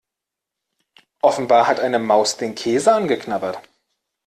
Offenbar hat eine Maus den Käse angeknabbert.